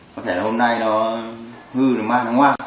có thể hôm nay nó hư được mặt nó ngoan